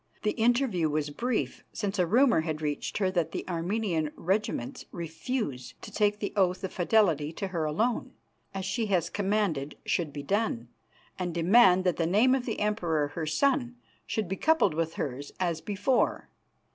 The interview was brief, since a rumour had reached her that the Armenian regiments refuse to take the oath of fidelity to her alone, as she has commanded should be done, and demand that the name of the Emperor, her son, should be coupled with hers, as before.